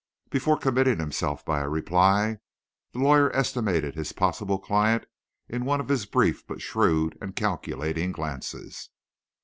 Before committing himself by a reply, the lawyer estimated his possible client in one of his brief but shrewd and calculating glances.